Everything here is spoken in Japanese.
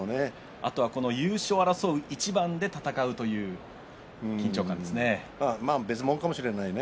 あと優勝を争う一番で戦うという緊張感ですね。